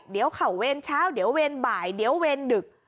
เดี๋ยวเขาเวรเช้าเดี๋ยวเวรบ่ายเดี๋ยวเวรดึก